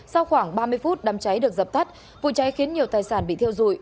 sau khoảng ba mươi phút đám cháy được dập tắt vụ cháy khiến nhiều tài sản bị thiêu dụi